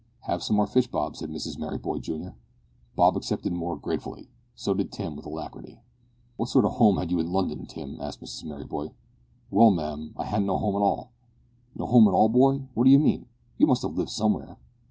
"Have some more fish, Bob," said Mrs Merryboy, junior. Bob accepted more, gratefully. So did Tim, with alacrity. "What sort of a home had you in London, Tim?" asked Mrs Merryboy. "Well, ma'am, I hadn't no home at all." "No home at all, boy; what do you mean? You must have lived somewhere."